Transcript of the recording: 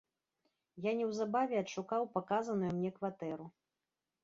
Я неўзабаве адшукаў паказаную мне кватэру.